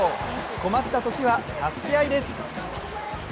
困ったときは助け合いです。